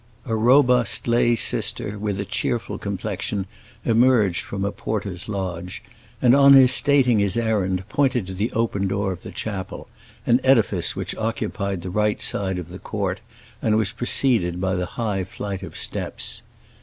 A robust lay sister with a cheerful complexion emerged from a porter's lodge, and, on his stating his errand, pointed to the open door of the chapel, an edifice which occupied the right side of the court and was preceded by the high flight of steps.